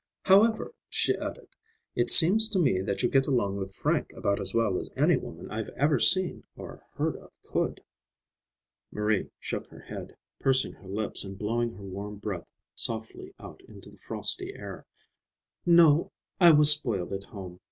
"However," she added, "it seems to me that you get along with Frank about as well as any woman I've ever seen or heard of could." Marie shook her head, pursing her lips and blowing her warm breath softly out into the frosty air. "No; I was spoiled at home.